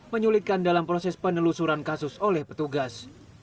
menyulitkan dalam proses penelusuran kasus oleh petugas